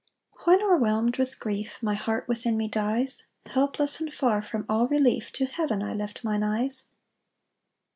1 When overwhelm'd with grief My heart within me dies, Helpless and far from all relief To heaven I lift mine eyes.